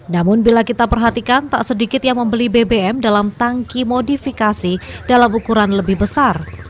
namun bila kita perhatikan tak sedikit yang membeli bbm dalam tangki modifikasi dalam ukuran lebih besar